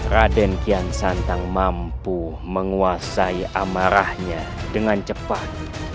raden kian santang mampu menguasai amarahnya dengan cepat